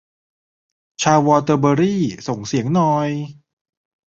ชาววอเตอร์เบอรี่ ส่งเสียงหน่อย